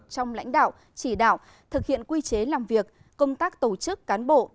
trong lãnh đạo chỉ đạo thực hiện quy chế làm việc công tác tổ chức cán bộ